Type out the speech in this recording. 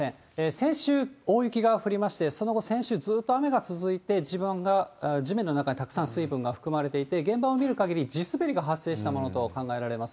先週、大雪が降りまして、その後、先週、ずっと雨が続いて、地盤が、地面の中にたくさん水分が含まれていて、現場を見るかぎり、地滑りが発生したものと考えられます。